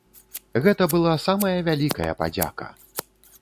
Гэта была самая вялікая падзяка.